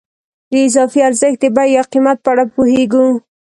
د اضافي ارزښت د بیې یا قیمت په اړه پوهېږو